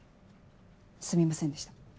すみませんでした。